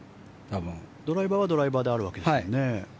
ドライバーはドライバーであるわけですもんね。